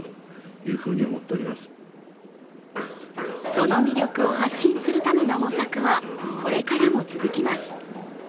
その魅力を発信するための模索はこれからも続きます。